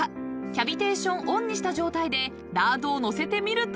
［キャビテーションオンにした状態で］